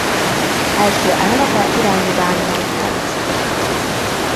Első elnöke Irányi Dániel lett.